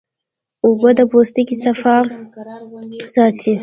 اوبه د پوستکي صفا ساتي